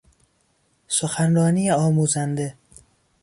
سخنرانی آموزنده